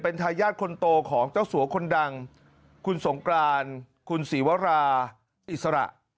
ทายาทคนโตของเจ้าสัวคนดังคุณสงกรานคุณศรีวราอิสระ